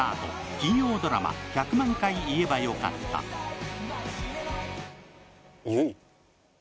金曜ドラマ「１００万回言えばよかった」悠依？